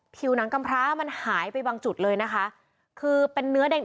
ผิวหนังกำพร้ามันหายไปบางจุดเลยนะคะคือเป็นเนื้อแดง